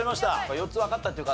４つわかったっていう方？